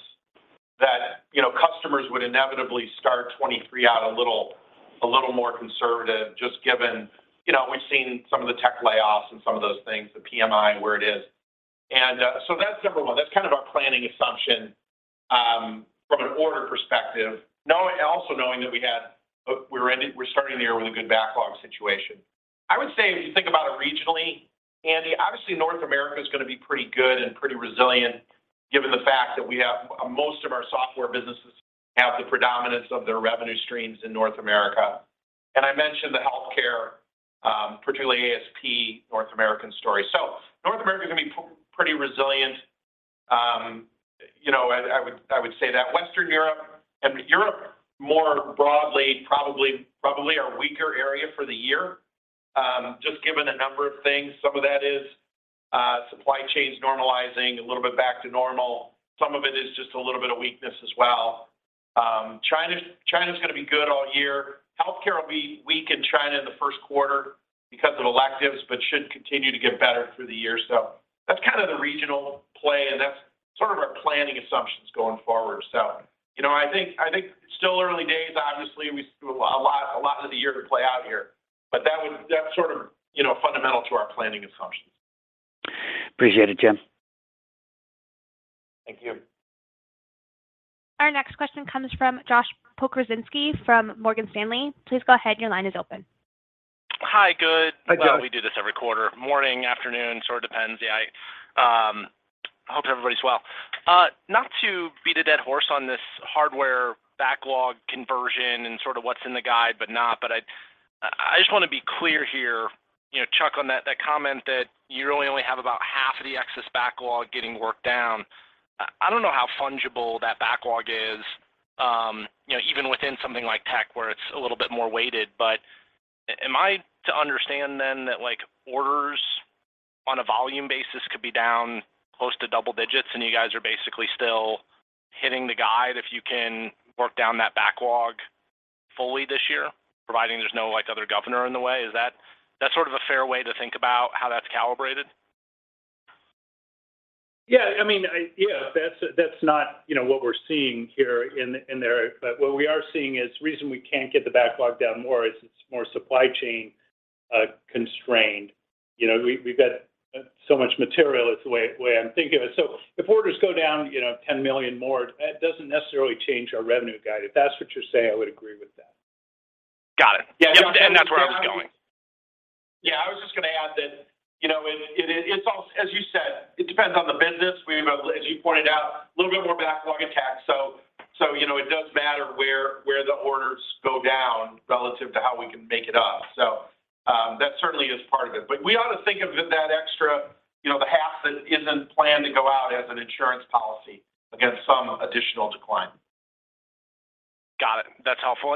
You know, customers would inevitably start 2023 out a little more conservative just given, you know, we've seen some of the tech layoffs and some of those things, the PMI and where it is. That's number one. That's kind of our planning assumption from an order perspective. Knowing, also knowing that we're starting the year with a good backlog situation. I would say if you think about it regionally, Andy, obviously North America is gonna be pretty good and pretty resilient given the fact that we have most of our software businesses have the predominance of their revenue streams in North America. I mentioned the healthcare, particularly ASP North American story. North America is gonna be pretty resilient. You know, I would say that Western Europe and Europe more broadly probably our weaker area for the year, just given a number of things. Some of that is supply chains normalizing a little bit back to normal. Some of it is just a little bit of weakness as well. China's gonna be good all year. Healthcare will be weak in China in the first quarter because of electives, but should continue to get better through the year. That's kind of the regional play, and that's sort of our planning assumptions going forward. You know, I think still early days, obviously, we still have a lot of the year to play out here, that's sort of, you know, fundamental to our planning assumptions. Appreciate it, Jim. Thank you. Our next question comes from Josh Pokrzywinski from Morgan Stanley. Please go ahead. Your line is open. Hi. Good. Hi, Josh. We do this every quarter. Morning, afternoon, sort of depends. Yeah, I hope everybody's well. Not to beat a dead horse on this hardware backlog conversion and sort of what's in the guide, but I just wanna be clear here, you know, Chuck, on that comment that you only have about half of the excess backlog getting worked down. I don't know how fungible that backlog is, you know, even within something like tech where it's a little bit more weighted. Am I to understand then that like orders on a volume basis could be down close to double digits, and you guys are basically still hitting the guide if you can work down that backlog fully this year, providing there's no, like, other governor in the way? Is that... That's sort of a fair way to think about how that's calibrated? Yeah, I mean, yeah, that's not, you know, what we're seeing here in there. What we are seeing is reason we can't get the backlog down more is it's more supply chain constrained. You know, we've got so much material. It's the way I'm thinking of it. If orders go down, you know, $10 million more, that doesn't necessarily change our revenue guide. If that's what you're saying, I would agree with that. Got it. Yeah. That's where I was going. Yeah, I was just gonna add that, you know, it's also, as you said, it depends on the business. We have, as you pointed out, a little bit more backlog attack. You know, it does matter where the orders go down relative to how we can make it up. That certainly is part of it. We ought to think of that extra, you know, the half that isn't planned to go out as an insurance policy against some additional decline. Got it. That's helpful.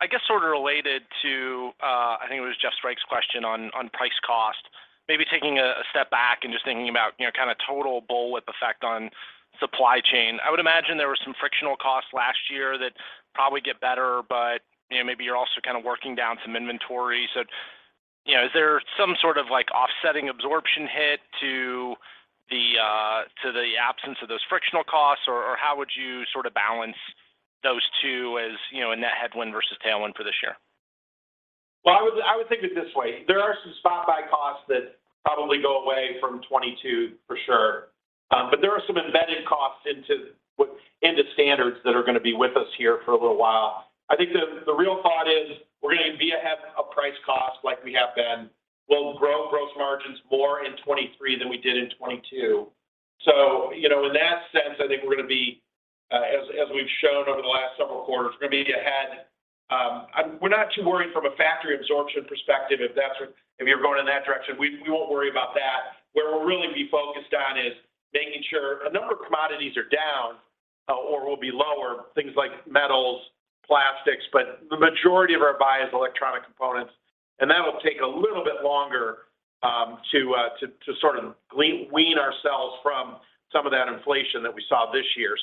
I guess sort of related to, I think it was Jeff Sprague's question on price cost, maybe taking a step back and just thinking about, you know, kinda total bullwhip effect on supply chain. I would imagine there were some frictional costs last year that probably get better, but, you know, maybe you're also kinda working down some inventory. You know, is there some sort of like offsetting absorption hit to the absence of those frictional costs? How would you sorta balance those two as, you know, a net headwind versus tailwind for this year? Well, I would think of it this way. There are some spot buy costs that probably go away from 2022 for sure. There are some embedded costs into standards that are gonna be with us here for a little while. I think the real thought is we're gonna be ahead of price cost like we have been. We'll grow gross margins more in 2023 than we did in 2022. You know, in that sense, I think we're gonna be, as we've shown over the last several quarters, we're gonna be ahead. We're not too worried from a factory absorption perspective if you're going in that direction. We won't worry about that. Where we'll really be focused on is making sure a number of commodities are down, or will be lower, things like metals, plastics. The majority of our buy is electronic components, and that will take a little bit longer, to sort of wean ourselves from some of that inflation that we saw this year.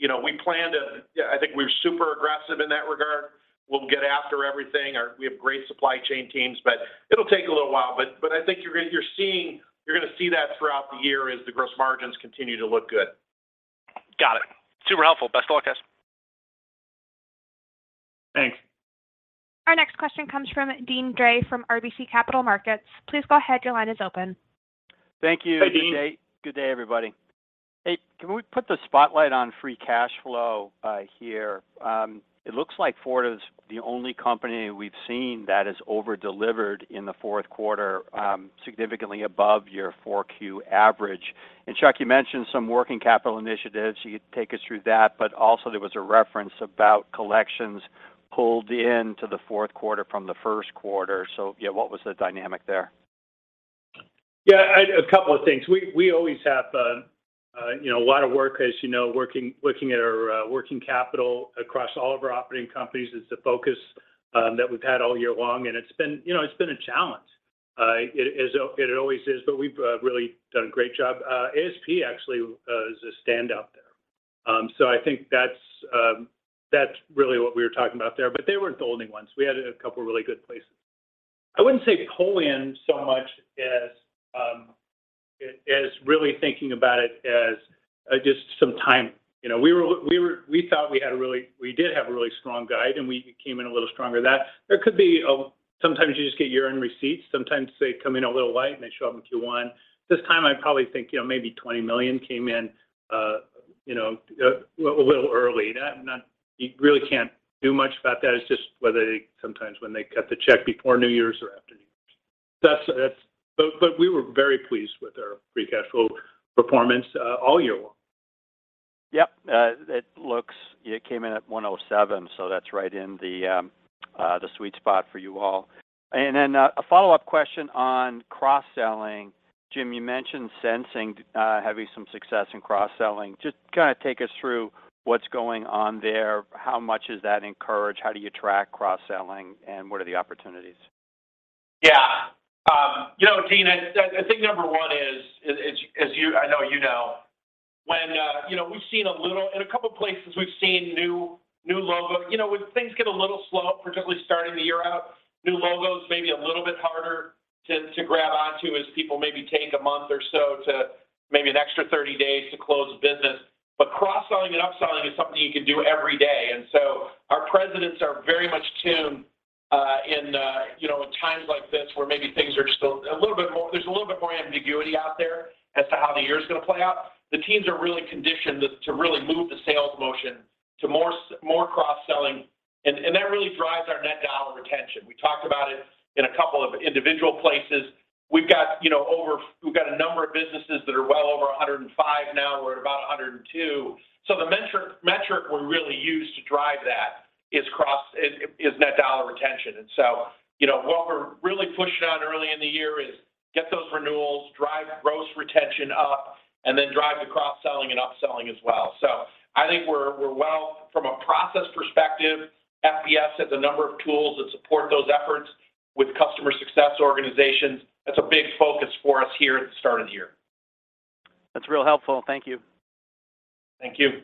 You know, we plan to... Yeah, I think we're super aggressive in that regard. We'll get after everything. We have great supply chain teams, but it'll take a little while. I think you're gonna see that throughout the year as the gross margins continue to look good. Got it. Super helpful. Best of luck, guys. Thanks. Our next question comes from Deane Dray from RBC Capital Markets. Please go ahead. Your line is open. Thank you. Hey, Deane. Good day, everybody. Hey, can we put the spotlight on free cash flow, here? It looks like Fortive is the only company we've seen that has over-delivered in the fourth quarter, significantly above your 4Q average. Chuck, you mentioned some working capital initiatives. You could take us through that, but also there was a reference about collections pulled into the fourth quarter from the first quarter. Yeah, what was the dynamic there? Yeah. A couple of things. We always have, you know, a lot of work, as you know, looking at our working capital across all of our operating companies is the focus that we've had all year long. It's been, you know, it's been a challenge. It always is, but we've really done a great job. ASP actually is a standout there. I think that's really what we were talking about there. They weren't the only ones. We had a couple of really good places. I wouldn't say pull in so much as really thinking about it as just some time. You know, we did have a really strong guide. We came in a little stronger than that. Sometimes you just get year-end receipts. Sometimes they come in a little light, and they show up in Q1. This time, I probably think, you know, maybe $20 million came in, you know, a little early. You really can't do much about that. It's just whether they, sometimes when they cut the check before New Year's or after New Year's. That's. We were very pleased with our free cash flow performance, all year long. Yep. It came in at $1.07, so that's right in the sweet spot for you all. A follow-up question on cross-selling. Jim, you mentioned Sensing, having some success in cross-selling. Just kind of take us through what's going on there. How much is that encouraged? How do you track cross-selling, and what are the opportunities? Yeah. You know, Deane, I think number 1 is, as you know, when, you know, in a couple places we've seen new logo. You know, when things get a little slow, particularly starting the year out, new logos may be a little bit harder to grab onto as people maybe take a month or so to maybe an extra 30 days to close business. Cross-selling and upselling is something you can do every day. Our presidents are very much tuned in, you know, times like this where maybe things are still a little bit more ambiguity out there as to how the year's gonna play out. The teams are really conditioned to really move the sales motion to more cross-selling, and that really drives our net dollar retention. We talked about it in a couple of individual places. We've got, you know, a number of businesses that are well over 105 now. We're at about 102. The metric we really use to drive that is net dollar retention. You know, what we're really pushing on early in the year is get those renewals, drive gross retention up, and then drive the cross-selling and upselling as well. I think we're well from a process perspective. FBS has a number of tools that support those efforts with customer success organizations. That's a big focus for us here at the start of the year. That's real helpful. Thank you. Thank you.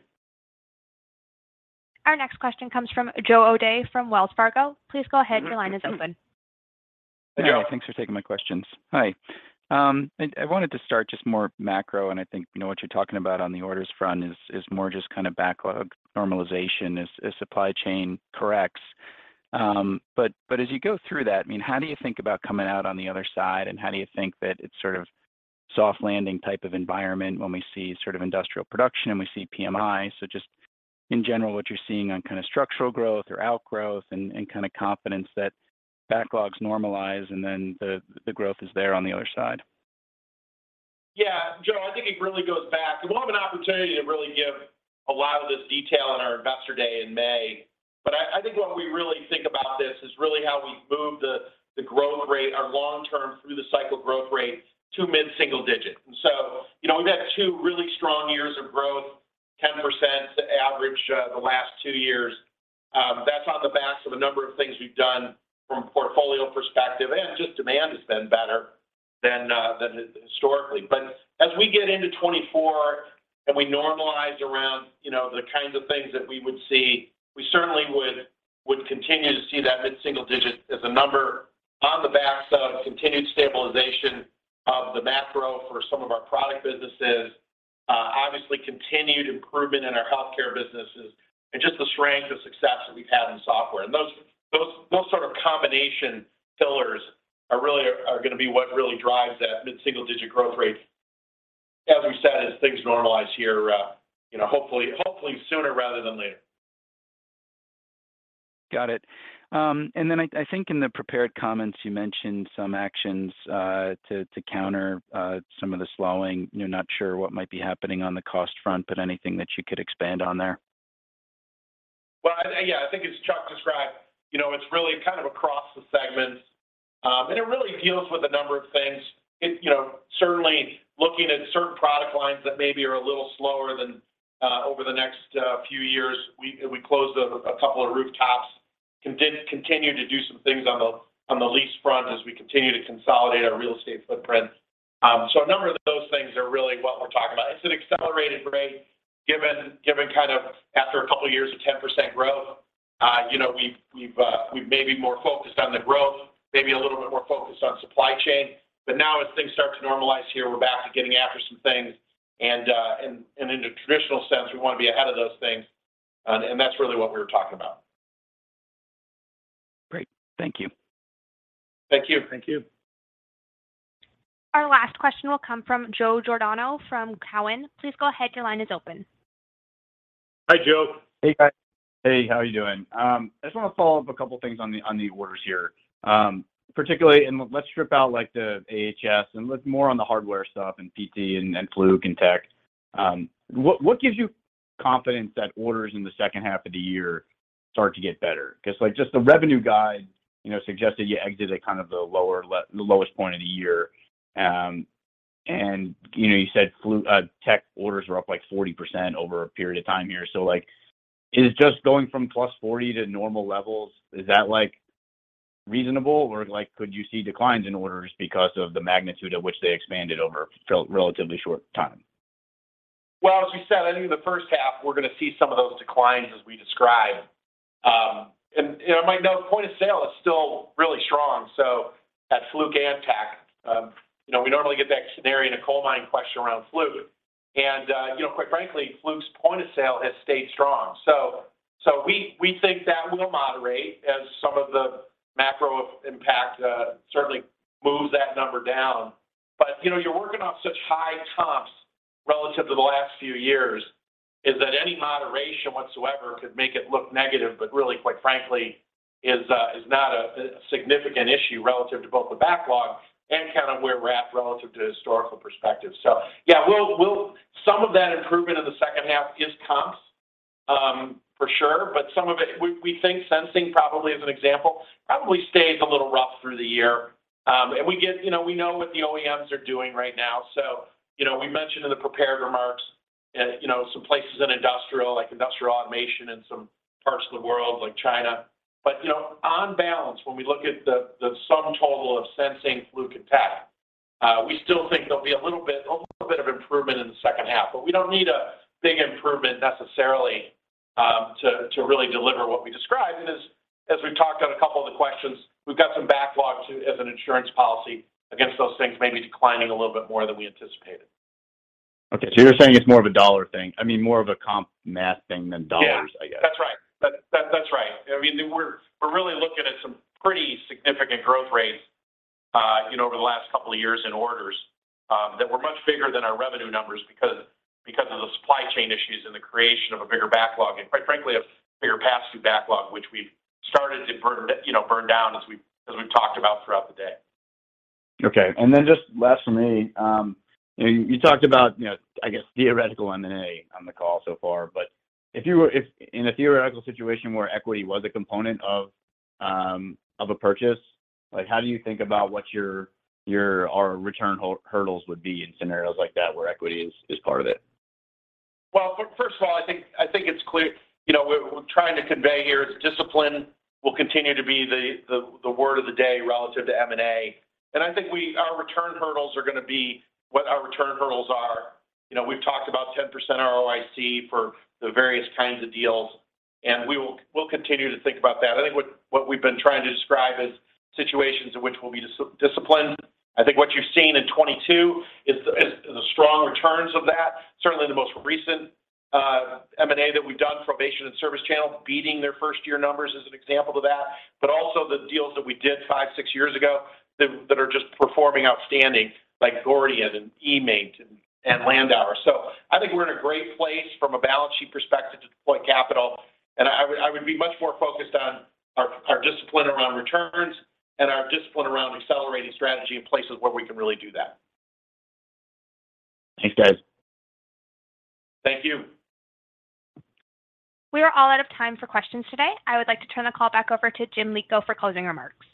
Our next question comes from Joe O'Dea from Wells Fargo. Please go ahead. Your line is open. Hey. Joe, thanks for taking my questions. Hi. I wanted to start just more macro, and I think, you know, what you're talking about on the orders front is more just kinda backlog normalization as supply chain corrects. As you go through that, I mean, how do you think about coming out on the other side, and how do you think that it's sort of soft landing type of environment when we see sort of industrial production, and we see PMI? Just in general, what you're seeing on kinda structural growth or outgrowth and kinda confidence that backlogs normalize, and then the growth is there on the other side. Joe, I think it really goes back. We'll have an opportunity to really give a lot of this detail on our investor day in May. I think what we really think about this is really how we move the growth rate, our long-term through the cycle growth rate to mid-single digit. You know, we've had two really strong years of growth, 10% average the last two years. That's on the backs of a number of things we've done from a portfolio perspective, and just demand has been better than historically. As we get into 2024, and we normalize around, you know, the kinds of things that we would see, we certainly would continue to see that mid-single digit as a number on the backs of continued stabilization of the macro for some of our product businesses. Obviously, continued improvement in our healthcare businesses and just the strength of success that we've had in software. Those sort of combination pillars are gonna be what really drives that mid-single digit growth rate, as we said, as things normalize here, you know, hopefully sooner rather than later. Got it. I think in the prepared comments you mentioned some actions to counter some of the slowing. You're not sure what might be happening on the cost front, but anything that you could expand on there? Well, I think. Yeah. I think as Chuck described, you know, it's really kind of across the segments. It really deals with a number of things. You know, certainly looking at certain product lines that maybe are a little slower than over the next few years. We closed a couple of rooftops, continue to do some things on the lease front as we continue to consolidate our real estate footprint. A number of those things are really what we're talking about. It's an accelerated rate given kind of after a couple of years of 10% growth. You know, we've maybe more focused on the growth, maybe a little bit more focused on supply chain. Now as things start to normalize here, we're back to getting after some things. In a traditional sense, we wanna be ahead of those things. That's really what we were talking about. Great. Thank you. Thank you. Thank you. Our last question will come from Joe Giordano from Cowen. Please go ahead. Your line is open. Hi, Joe. Hey, guys. Hey, how are you doing? I just wanna follow up a couple of things on the, on the orders here. Particularly, let's strip out, like, the AHS and look more on the hardware stuff and PT and Fluke and Tech. What, what gives you confidence that orders in the second half of the year start to get better? Because, like, just the revenue guide, you know, suggested you exit at kind of the lowest point of the year. You know, you said Tech orders were up, like, 40% over a period of time here. Like, is just going from plus 40 to normal levels, is that, like, reasonable, or, like, could you see declines in orders because of the magnitude at which they expanded over relatively short time? Well, as we said, I think in the first half we're gonna see some of those declines as we described. You know, Mike, now point of sale is still really strong. At Fluke and Tek, you know, we normally get that scenario in a coal mine question around Fluke and, you know, quite frankly, Fluke's point of sale has stayed strong. So we think that will moderate as some of the macro impact certainly moves that number down. But, you know, you're working off such high comps relative to the last few years, is that any moderation whatsoever could make it look negative, but really, quite frankly, is not a significant issue relative to both the backlog and kind of where we're at relative to historical perspective. Yeah, we'll... Some of that improvement in the second half is comps, for sure, but some of it, we think Sensing probably as an example, probably stays a little rough through the year. We get, you know, we know what the OEMs are doing right now. We mentioned in the prepared remarks, you know, some places in industrial, like industrial automation and some parts of the world like China. On balance, when we look at the sum total of Sensing, Fluke and Tektronix, we still think there'll be a little bit of improvement in the second half. We don't need a big improvement necessarily, to really deliver what we described. As we've talked on a couple of the questions, we've got some backlog as an insurance policy against those things maybe declining a little bit more than we anticipated. Okay, so you're saying it's more of a dollar thing. I mean, more of a comp math thing than dollars, I guess. Yeah. That's right. That's right. I mean, we're really looking at some pretty significant growth rates, you know, over the last couple of years in orders, that were much bigger than our revenue numbers because of the supply chain issues and the creation of a bigger backlog, and quite frankly, a bigger passive backlog, which we've started to burn, you know, burn down as we've talked about throughout the day. Okay. Just last from me, you know, you talked about, you know, I guess theoretical M&A on the call so far. If in a theoretical situation where equity was a component of a purchase, like how do you think about what your, our return hurdles would be in scenarios like that where equity is part of it? Well, first of all, I think it's clear, you know, we're trying to convey here is discipline will continue to be the word of the day relative to M&A. I think our return hurdles are gonna be what our return hurdles are. You know, we've talked about 10% ROIC for the various kinds of deals, and we'll continue to think about that. I think what we've been trying to describe is situations in which we'll be disciplined. I think what you've seen in 2022 is the strong returns of that. Certainly the most recent M&A that we've done, Provation and ServiceChannel, beating their first year numbers is an example of that. Also the deals that we did five, six years ago that are just performing outstanding, like Gordian and eMaint and Landauer. I think we're in a great place from a balance sheet perspective to deploy capital. I would be much more focused on our discipline around returns and our discipline around accelerating strategy in places where we can really do that. Thanks, guys. Thank you. We are all out of time for questions today. I would like to turn the call back over to James Lico for closing remarks.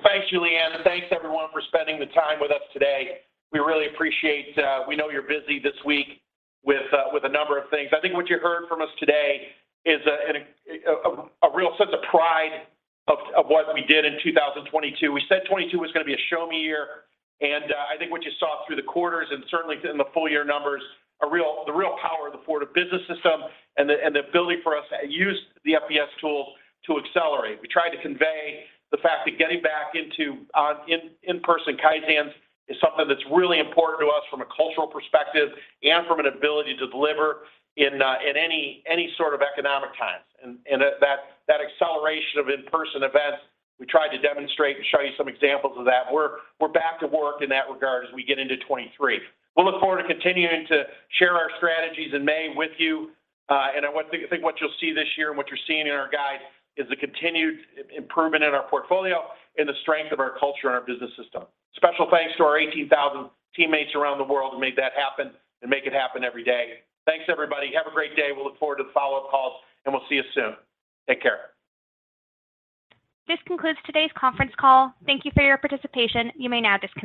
Thanks, Julianne. Thanks everyone for spending the time with us today. We really appreciate, we know you're busy this week with a number of things. I think what you heard from us today is a real sense of pride of what we did in 2022. We said 2022 was gonna be a show me year, and, I think what you saw through the quarters and certainly in the full year numbers, the real power of the Fortive Business System and the ability for us to use the FBS tool to accelerate. We tried to convey the fact that getting back into in-person Kaizans is something that's really important to us from a cultural perspective and from an ability to deliver in any sort of economic times. That acceleration of in-person events, we tried to demonstrate and show you some examples of that, and we're back to work in that regard as we get into 2023. We'll look forward to continuing to share our strategies in May with you. I think what you'll see this year and what you're seeing in our guide is the continued improvement in our portfolio and the strength of our culture and our Business System. Special thanks to our 18,000 teammates around the world who made that happen and make it happen every day. Thanks, everybody. Have a great day. We'll look forward to the follow-up calls, and we'll see you soon. Take care. This concludes today's conference call. Thank you for your participation. You may now disconnect.